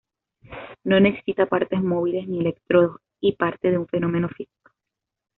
No necesita partes móviles, ni electrodos, y parte de un fenómeno físico.